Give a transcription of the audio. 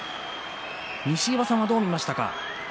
西岩さんはどう見ましたか。